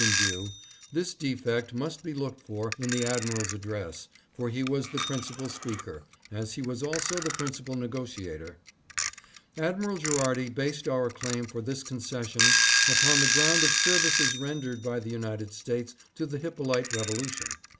NICOLAS. view, this defect must be looked for in the admiral's address, for he was the principal speaker, as he was also the principal negotiator. " Admiral Gherardi based our claim for this concession upon the ground of services rendered by the United States to the Hyppolite revolution.